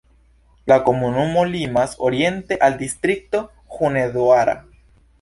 La komunumo limas oriente al distrikto Hunedoara.